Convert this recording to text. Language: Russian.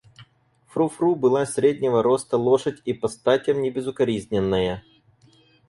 Фру-Фру была среднего роста лошадь и по статям небезукоризненная.